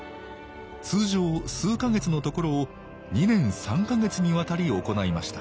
通常数か月のところを２年３か月にわたり行いました